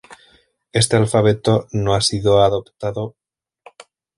Este alfabeto no ha sido adoptado.